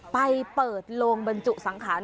ไปเปิดโลงบรรจุสังขาร